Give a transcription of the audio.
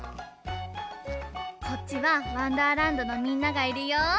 こっちはわんだーらんどのみんながいるよ。